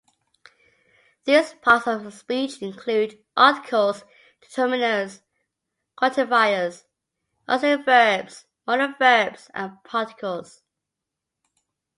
These parts of speech include articles, determiners, quantifiers, auxiliary verbs, modal verbs, and particles.